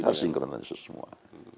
harus disinkronisasi semua